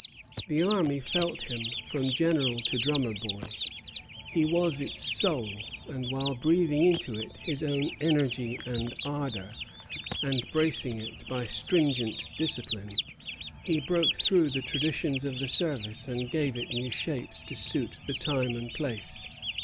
The army felt him, from general to drummer boy. He was its soul; and while breathing into it his own energy and ardor, and bracing it by stringent discipline, he broke through the traditions of the service and gave it new shapes to suit the time and place.